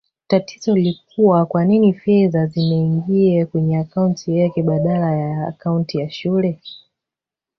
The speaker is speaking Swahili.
Tatizo lilikua kwanini fedha zimeingia kwenye akaunti yake badala ya akaunti ya shule